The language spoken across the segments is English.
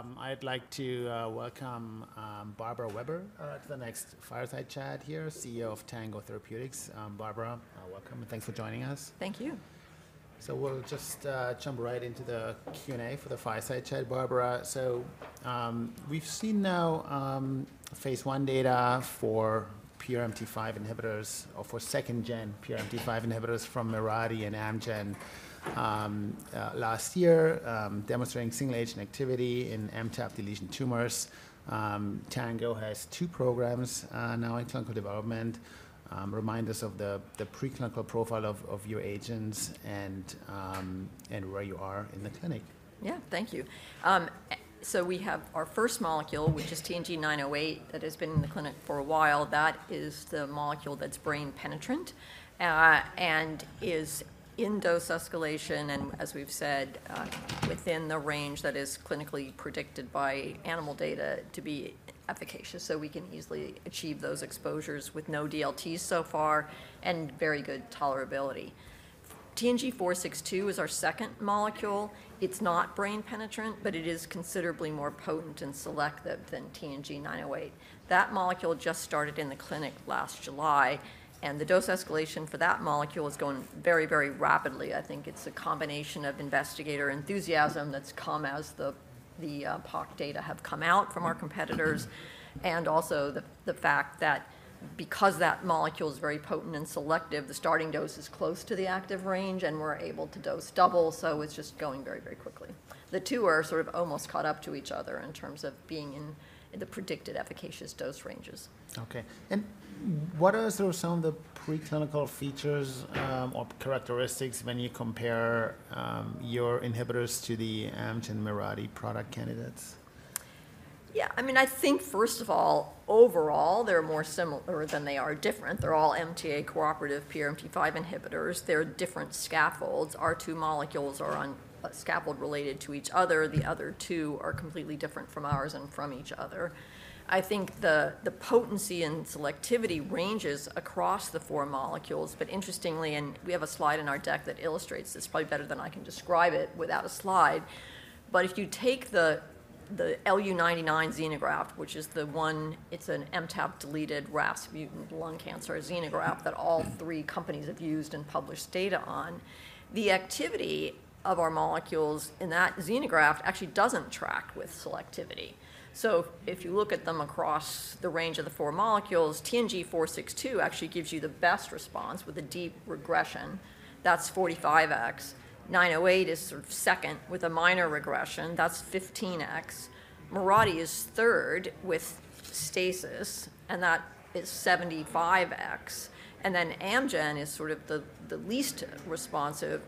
So, I'd like to welcome Barbara Weber to the next Fireside Chat here, CEO of Tango Therapeutics. Barbara, welcome, and thanks for joining us. Thank you. So, we'll just jump right into the Q&A for the Fireside Chat, Barbara. So, we've seen now phase I data for PRMT5 inhibitors or for second-gen PRMT5 inhibitors from Mirati and Amgen last year, demonstrating single-agent activity in MTAP deletion tumors. Tango has two programs now in clinical development. Remind us of the preclinical profile of your agents and where you are in the clinic. Yeah. Thank you. So, we have our first molecule, which is TNG908, that has been in the clinic for a while. That is the molecule that's brain-penetrant, and is in dose escalation, and as we've said, within the range that is clinically predicted by animal data to be efficacious. So, we can easily achieve those exposures with no DLT so far, and very good tolerability. TNG462 is our second molecule. It's not brain-penetrant, but it is considerably more potent and selective than TNG908. That molecule just started in the clinic last July, and the dose escalation for that molecule is going very, very rapidly. I think it's a combination of investigator enthusiasm that's come as the POC data have come out from our competitors, and also the fact that because that molecule is very potent and selective, the starting dose is close to the active range, and we're able to dose double, so it's just going very, very quickly. The two are sort of almost caught up to each other in terms of being in the predicted efficacious dose ranges. Okay. And what are sort of some of the preclinical features, or characteristics when you compare your inhibitors to the Amgen Mirati product candidates? Yeah, I mean, I think, first of all, overall, they're more similar than they are different. They're all MTA-cooperative PRMT5 inhibitors. They're different scaffolds. Our two molecules are on a scaffold related to each other. The other two are completely different from ours and from each other. I think the potency and selectivity ranges across the four molecules, but interestingly, we have a slide in our deck that illustrates this probably better than I can describe it without a slide, but if you take the LU99 xenograft, which is the one. It's an MTAP-deleted RAS mutant lung cancer, a xenograft that all three companies have used and published data on. The activity of our molecules in that xenograft actually doesn't track with selectivity. So, if you look at them across the range of the four molecules, TNG462 actually gives you the best response with a deep regression. That's 45x. TNG908 is sort of second with a minor regression. That's 15x. Mirati is third with stasis, and that is 75x. And then Amgen is sort of the least responsive,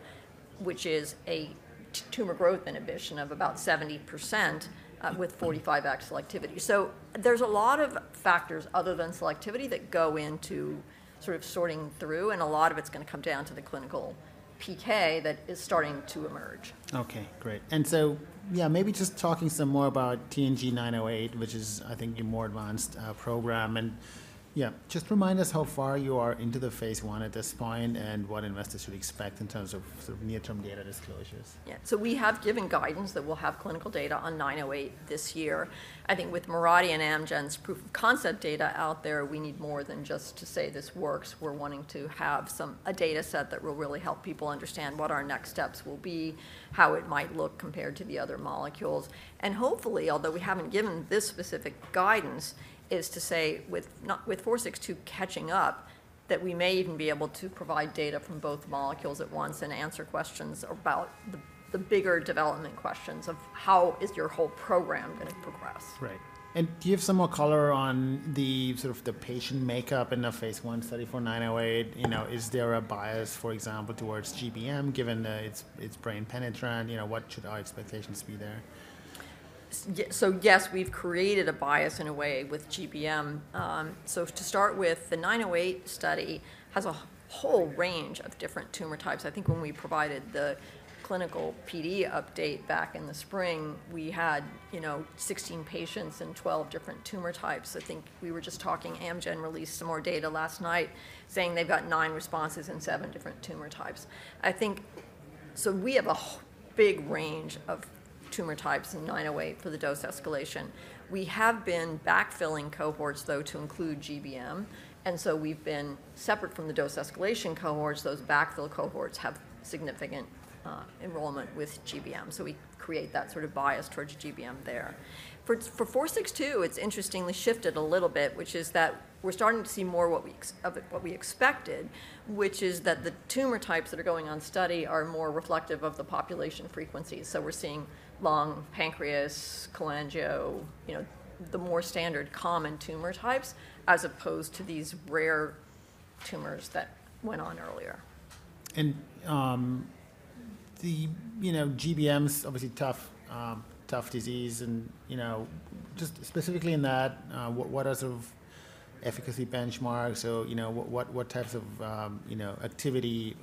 which is a tumor growth inhibition of about 70%, with 45x selectivity. So there's a lot of factors other than selectivity that go into sort of sorting through, and a lot of it's gonna come down to the clinical PK that is starting to emerge. Okay, great. So, yeah, maybe just talking some more about TNG908, which is, I think, a more advanced program, and yeah, just remind us how far you are into the phase I at this point, and what investors should expect in terms of sort of near-term data disclosures? Yeah. So, we have given guidance that we'll have clinical data on 908 this year. I think with Mirati and Amgen's proof-of-concept data out there, we need more than just to say, "This works." We're wanting to have a data set that will really help people understand what our next steps will be, how it might look compared to the other molecules. And hopefully, although we haven't given this specific guidance, is to say, with 462 catching up, that we may even be able to provide data from both molecules at once and answer questions about the bigger development questions of: How is your whole program gonna progress? Right. And do you have some more color on the sort of patient makeup in the phase I study for 908? You know, is there a bias, for example, towards GBM, given that it's, it's brain-penetrant? You know, what should our expectations be there? So, yes we've created a bias in a way with GBM. So, to start with, the 908 study has a whole range of different tumor types. I think when we provided the clinical PD update back in the spring, we had, you know, 16 patients and 12 different tumor types. I think we were just talking, Amgen released some more data last night, saying they've got 9 responses in 7 different tumor types. I think. So, we have a big range of tumor types in 908 for the dose escalation. We have been backfilling cohorts, though, to include GBM, and so we've been separate from the dose escalation cohorts. Those backfill cohorts have significant enrollment with GBM, so we create that sort of bias towards GBM there. For 462, it's interestingly shifted a little bit, which is that we're starting to see more what we expected, which is that the tumor types that are going on study are more reflective of the population frequency. So, we're seeing lung, pancreas, cholangiocarcinoma, you know, the more standard common tumor types, as opposed to these rare tumors that went on earlier. You know, GBM's obviously tough disease and, you know, just specifically in that, what are sort of efficacy benchmarks? So, you know, what types of, you know, activity,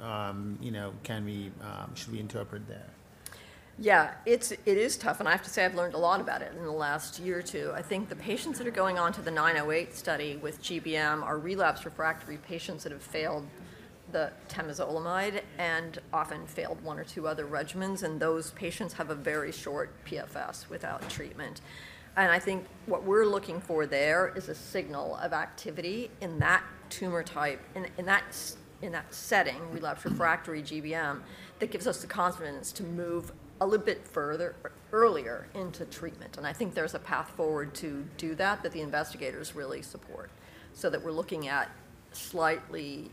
you know, can we, should we interpret there? ... Yeah, it is tough, and I have to say I've learned a lot about it in the last year or two. I think the patients that are going on to the 908 study with GBM are relapsed refractory patients that have failed the temozolomide, and often failed one or two other regimens, and those patients have a very short PFS without treatment. And I think what we're looking for there is a signal of activity in that tumor type, in that setting, relapsed refractory GBM, that gives us the confidence to move a little bit further or earlier into treatment. And I think there's a path forward to do that, that the investigators really support, so that we're looking at slightly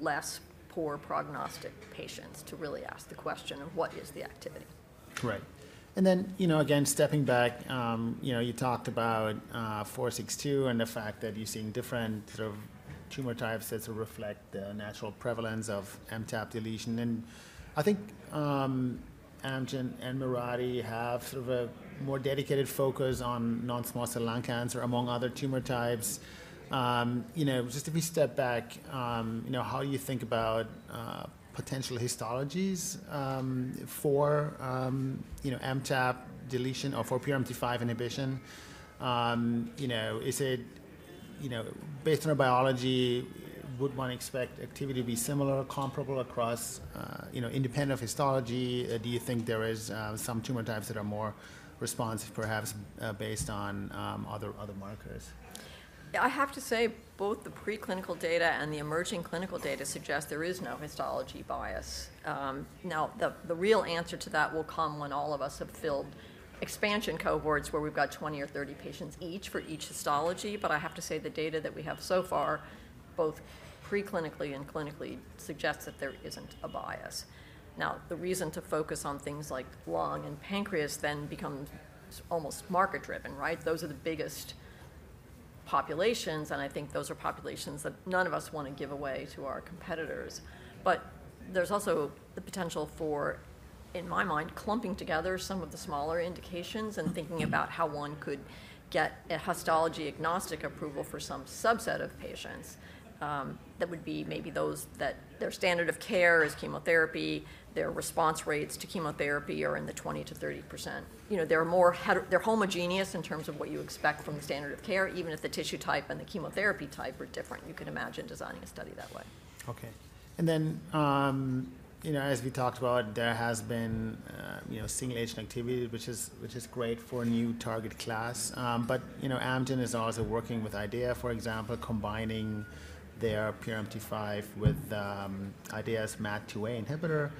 less poor prognostic patients to really ask the question of what is the activity? Right. And then, you know, again, stepping back, you know, you talked about 462 and the fact that you're seeing different sort of tumor types that sort of reflect the natural prevalence of MTAP deletion. And I think, Amgen and Mirati have sort of a more dedicated focus on non-small cell lung cancer, among other tumor types. You know, just if we step back, you know, how you think about potential histologist for you know, MTAP deletion or for PRMT5 inhibition? You know, is it, you know, based on our biology, would one expect activity to be similar, comparable across you know, independent of histology? Do you think there is some tumor types that are more responsive, perhaps, based on other, other markers? Yeah, I have to say both the preclinical data and the emerging clinical data suggest there is no histology bias. Now, the real answer to that will come when all of us have filled expansion cohorts where we've got 20 or 30 patients each for each histology. But I have to say, the data that we have so far, both preclinically and clinically, suggests that there isn't a bias. Now, the reason to focus on things like lung and pancreas then becomes almost market-driven, right? Those are the biggest populations, and I think those are populations that none of us want to give away to our competitors. But there's also the potential for, in my mind, clumping together some of the smaller indications and thinking about how one could get a histology agnostic approval for some subset of patients, that would be maybe those that their standard of care is chemotherapy, their response rates to chemotherapy are in the 20%-30%. You know, they're more homogeneous in terms of what you expect from the standard of care, even if the tissue type and the chemotherapy type are different. You could imagine designing a study that way. Okay. And then, you know, as we talked about, there has been, you know, single agent activity, which is, which is great for a new target class. But, you know, Amgen is also working with IDEAYA, for example, combining their PRMT5 with, IDEAYA's MAT2A inhibitor.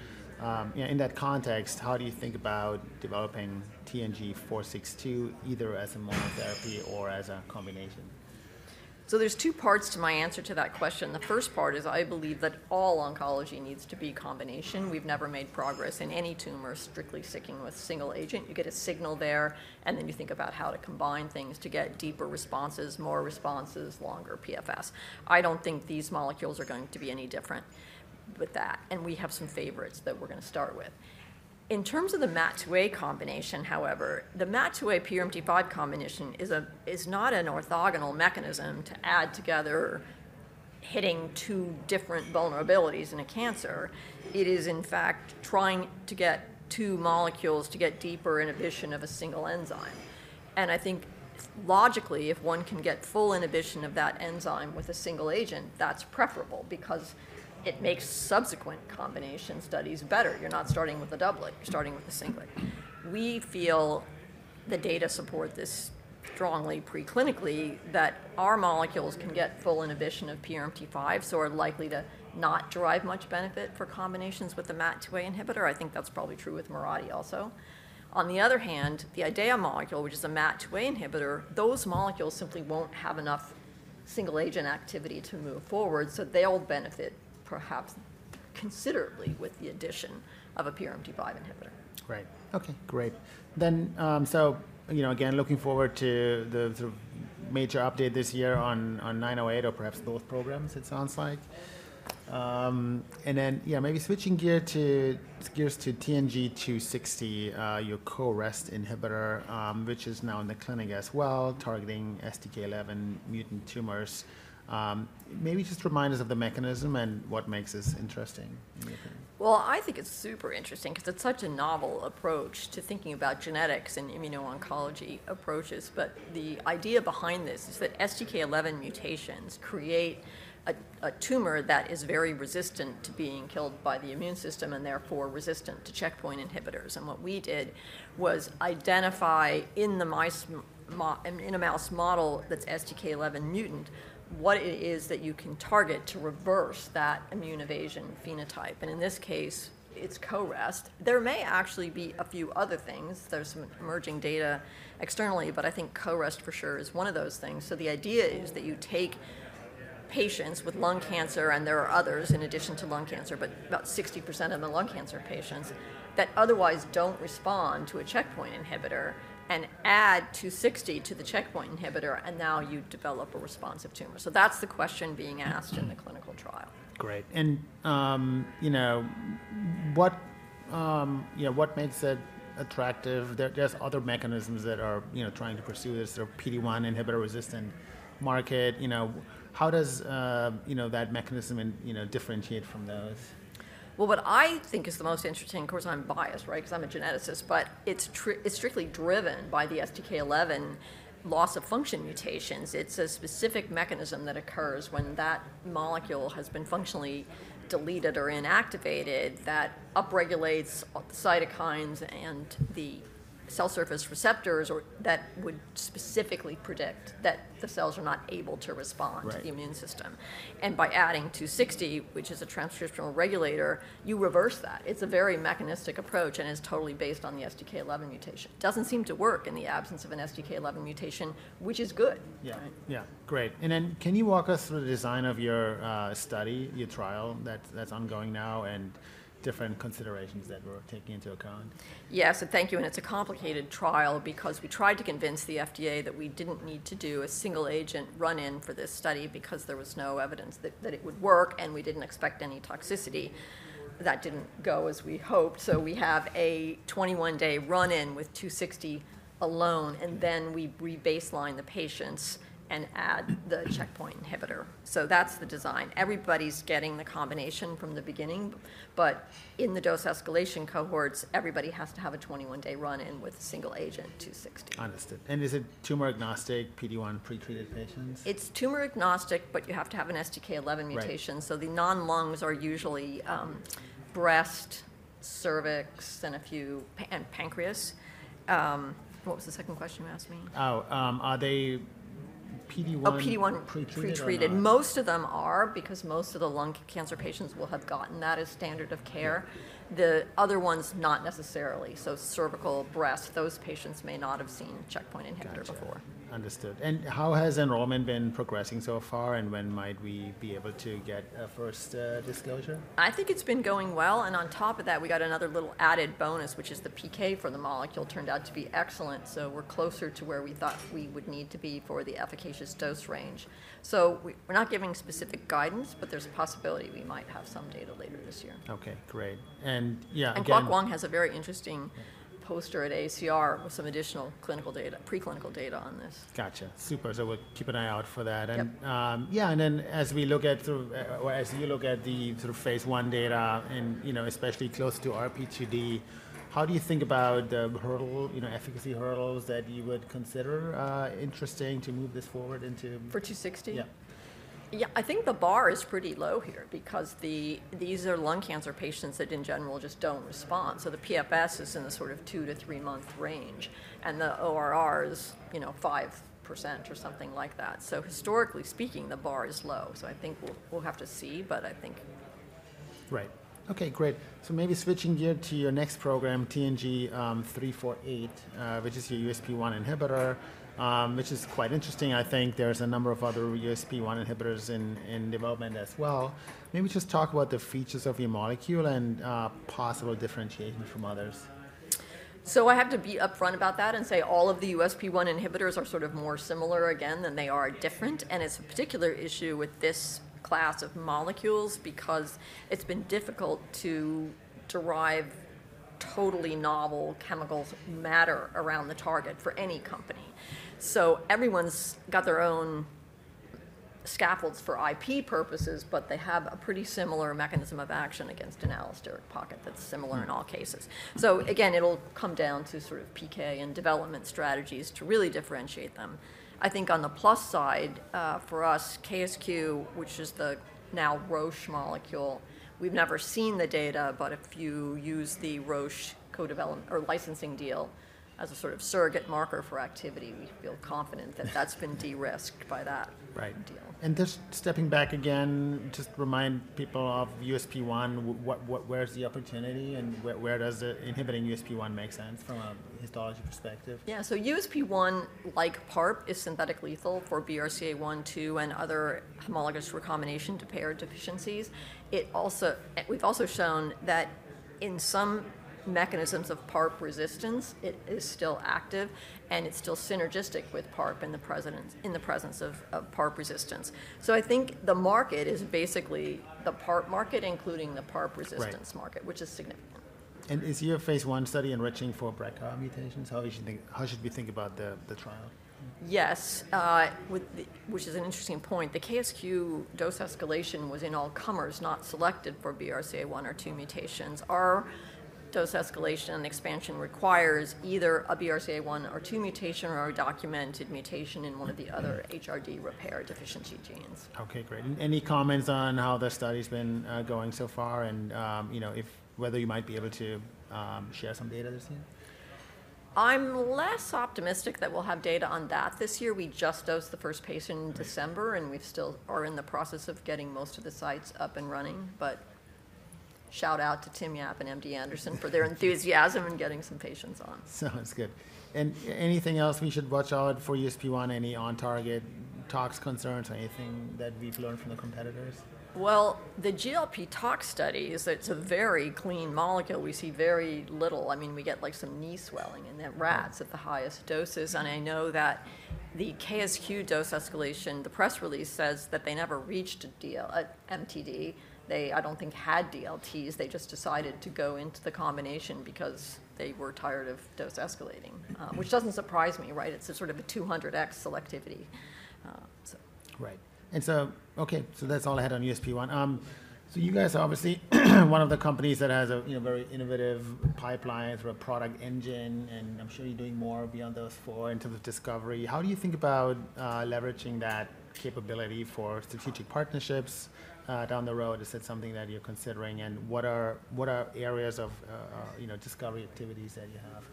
In that context, how do you think about developing TNG462, either as a monotherapy or as a combination? So, there's two parts to my answer to that question. The first part is, I believe that all oncology needs to be combination. We've never made progress in any tumor strictly sticking with single agent. You get a signal there, and then you think about how to combine things to get deeper responses, more responses, longer PFS. I don't think these molecules are going to be any different with that, and we have some favorites that we're gonna start with. In terms of the MAT2A combination, however, the MAT2A PRMT5 combination is not an orthogonal mechanism to add together, hitting two different vulnerabilities in a cancer. It is, in fact, trying to get two molecules to get deeper inhibition of a single enzyme. I think logically, if one can get full inhibition of that enzyme with a single agent, that's preferable because it makes subsequent combination studies better. You're not starting with a doublet, you're starting with a singlet. We feel the data support this strongly preclinically, that our molecules can get full inhibition of PRMT5, so are likely to not derive much benefit for combinations with the MAT2A inhibitor. I think that's probably true with Mirati also. On the other hand, the IDEAYA molecule, which is a MAT2A inhibitor, those molecules simply won't have enough single agent activity to move forward, so they'll benefit perhaps considerably with the addition of a PRMT5 inhibitor. Great. Okay, great. Then, so, you know, again, looking forward to the sort of major update this year on, on TNG908 or perhaps both programs, it sounds like. And then, yeah, maybe switching gears to TNG260, your CoREST inhibitor, which is now in the clinic as well, targeting STK11-mutant tumors. Maybe just remind us of the mechanism and what makes this interesting? Well, I think it's super interesting because it's such a novel approach to thinking about genetics and immuno-oncology approaches. But the idea behind this is that STK11 mutations create a tumor that is very resistant to being killed by the immune system, and therefore, resistant to checkpoint inhibitors. And what we did was identify in a mouse model that's STK11 mutant, what it is that you can target to reverse that immune evasion phenotype, and in this case, it's CoREST. There may actually be a few other things. There's some emerging data externally, but I think CoREST, for sure, is one of those things. The idea is that you take patients with lung cancer, and there are others in addition to lung cancer, but about 60% of the lung cancer patients that otherwise don't respond to a checkpoint inhibitor and add TNG260 to the checkpoint inhibitor, and now you develop a responsive tumor. That's the question being asked in the clinical trial. Great. And, you know, what makes it attractive? There's other mechanisms that are, you know, trying to pursue this, the PD-1 inhibitor-resistant market. You know, how does, you know, that mechanism, you know, differentiate from those? ... Well, what I think is the most interesting, of course, I'm biased, right? 'Cause I'm a geneticist, but it's strictly driven by the STK11 loss-of-function mutations. It's a specific mechanism that occurs when that molecule has been functionally deleted or inactivated, that upregulates cytokines and the cell surface receptors, or that would specifically predict that the cells are not able to respond- Right... to the immune system. And by adding TNG260, which is a transcriptional regulator, you reverse that. It's a very mechanistic approach, and it's totally based on the STK11 mutation. Doesn't seem to work in the absence of an STK11 mutation, which is good. Yeah. Right. Yeah, great. And then can you walk us through the design of your study, your trial, that's ongoing now, and different considerations that were taken into account? Yes, so thank you. It's a complicated trial because we tried to convince the FDA that we didn't need to do a single agent run-in for this study because there was no evidence that, that it would work, and we didn't expect any toxicity. That didn't go as we hoped, so we have a 21-day run-in with 260 alone, and then we re-baseline the patients and add the checkpoint inhibitor. That's the design. Everybody's getting the combination from the beginning, but in the dose escalation cohorts, everybody has to have a 21-day run-in with the single agent, 260. Understood. And is it tumor agnostic, PD-1 pretreated patients? It's tumor agnostic, but you have to have an STK11 mutation. Right. So. the non-lungs are usually breast, cervix, and a few... and pancreas. What was the second question you asked me? Oh, are they PD-1- Oh, PD-1- Pretreated or not? Pretreated. Most of them are, because most of the lung cancer patients will have gotten that as standard of care. Yeah. The other ones, not necessarily. So cervical, breast, those patients may not have seen checkpoint inhibitor before. Gotcha. Understood. And how has enrollment been progressing so far, and when might we be able to get a first disclosure? I think it's been going well, and on top of that, we got another little added bonus, which is the PK for the molecule turned out to be excellent, so we're closer to where we thought we would need to be for the efficacious dose range. So, we're not giving specific guidance, but there's a possibility we might have some data later this year. Okay, great. And yeah, and- Kwok Wong has a very interesting poster at AACR with some additional clinical data, preclinical data on this. Gotcha. Super, so we'll keep an eye out for that. Yep. Yeah, and then, as we look through, or as you look at the sort of phase 1 data and, you know, especially close to RP2D, how do you think about the hurdle, you know, efficacy hurdles that you would consider interesting to move this forward into- TNG260? Yeah. Yeah, I think the bar is pretty low here because the, these are lung cancer patients that, in general, just don't respond. So, the PFS is in the sort of 2-3-month range, and the ORR is, you know, 5% or something like that. So, historically speaking, the bar is low, so I think we'll, we'll have to see, but I think... Right. Okay, great. So maybe switching gear to your next program, TNG348, which is your USP1 inhibitor, which is quite interesting. I think there's a number of other USP1 inhibitors in development as well. Maybe just talk about the features of your molecule and possible differentiation from others. So, I have to be upfront about that and say all of the USP1 inhibitors are sort of more similar again than they are different, and it's a particular issue with this class of molecules because it's been difficult to derive totally novel chemicals matter around the target for any company. So, everyone's got their own scaffolds for IP purposes, but they have a pretty similar mechanism of action against an allosteric pocket that's similar in all cases. So again, it'll come down to sort of PK and development strategies to really differentiate them. I think on the plus side, for us, KSQ, which is the now Roche molecule, we've never seen the data, but if you use the Roche co-development or licensing deal as a sort of surrogate marker for activity, we feel confident that that's been de-risked by that- Right... deal. Just stepping back again, just remind people of USP1, where's the opportunity, and where does inhibiting USP1 make sense from a histology perspective? Yeah, so USP1, like PARP, is synthetic lethal for BRCA1, BRCA2, and other homologous recombination repair deficiencies. It also. We've also shown that in some mechanisms of PARP resistance, it is still active, and it's still synergistic with PARP in the presence of PARP resistance. So, I think the market is basically the PARP market, including the PARP resistance market- Right... which is significant. Is your phase 1 study enriching for BRCA mutations? How should we think about the trial? Yes, with the... Which is an interesting point. The KSQ dose escalation was in all comers, not selected for BRCA1 or BRCA2 mutations. Our dose escalation and expansion requires either a BRCA1 or BRCA2 mutation or a documented mutation in one of the other HRD repair deficiency genes. Okay, great. Any comments on how the study's been going so far, and you know, whether you might be able to share some data this year? I'm less optimistic that we'll have data on that this year. We just dosed the first patient- Right... in December, and we still are in the process of getting most of the sites up and running but shout out to Tim Yap and MD Anderson for their enthusiasm in getting some patients on. Sounds good. Anything else we should watch out for USP1, any on target tox concerns or anything that we've learned from the competitors? Well, the GLP tox study is that it's a very clean molecule. We see very little. I mean, we get, like, some knee swelling in the rats at the highest doses, and I know that the KSQ dose escalation, the press release, says that they never reached MTD. They, I don't think, had DLTs. They just decided to go into the combination because they were tired of dose escalating- Mm-hmm... which doesn't surprise me, right? It's a sort of a 200x selectivity, so. Right. And so, okay, so that's all I had on USP1. So you guys are obviously one of the companies that has a, you know, very innovative pipeline through a product engine, and I'm sure you're doing more beyond those four into the discovery. How do you think about leveraging that capability for strategic partnerships down the road? Is that something that you're considering? And what are, what are areas of, you know, discovery activities that you have?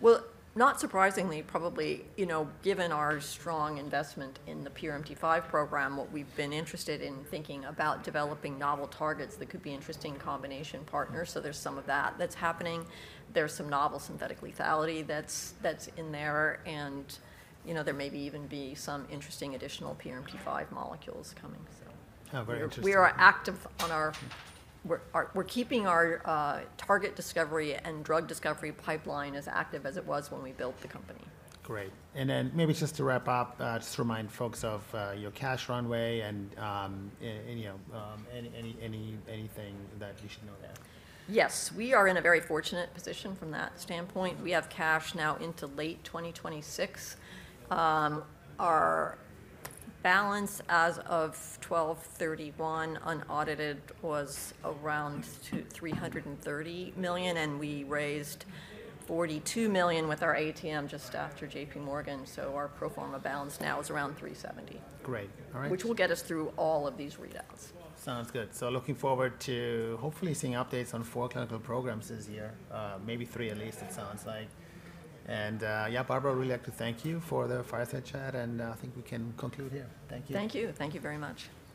Well, not surprisingly, probably, you know, given our strong investment in the PRMT5 program, what we've been interested in thinking about developing novel targets that could be interesting combination partners. So there's some of that that's happening. There's some novel synthetic lethality that's in there, and, you know, there may be some interesting additional PRMT5 molecules coming, so. How very interesting. We are active on our... We're keeping our target discovery and drug discovery pipeline as active as it was when we built the company. Great. And then maybe just to wrap up, just to remind folks of your cash runway and, and you know, anything that you should know there. Yes, we are in a very fortunate position from that standpoint. We have cash now into late 2026. Our balance as of 12/31, unaudited, was around $230 million, and we raised $42 million with our ATM just after J.P. Morgan, so our pro forma balance now is around $370. Great. All right. Which will get us through all of these readouts. Sounds good. So looking forward to hopefully seeing updates on four clinical programs this year, maybe three at least, it sounds like. And, yeah, Barbara, I'd really like to thank you for the fireside chat, and I think we can conclude here. Thank you. Thank you. Thank you very much.